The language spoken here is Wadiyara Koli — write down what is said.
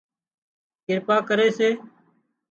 ڪرپا ڪري سي